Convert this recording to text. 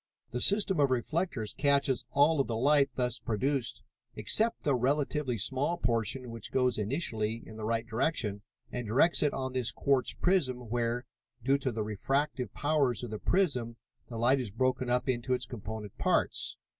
"The system of reflectors catches all of the light thus produced except the relatively small portion which goes initially in the right direction, and directs it on this quartz prism where, due to the refractive powers of the prism, the light is broken up into its component parts.